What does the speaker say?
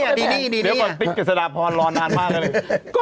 แล้วติ๊กกับสนาพรรดิรอนานมากเลย